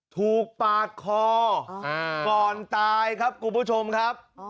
ถูกปาดคอก่อนตายครับคุณผู้ชมครับ